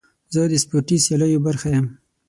زه د سپورتي سیالیو برخه یم.